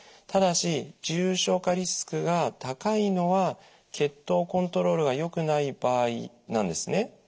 ただし重症化リスクが高いのは血糖コントロールがよくない場合なんですね。